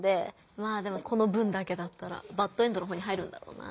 まあでもこの文だけだったらバッドエンドの方に入るんだろうな。